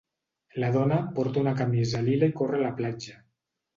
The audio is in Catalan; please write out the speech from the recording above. La dona porta una camisa lila i corre a la platja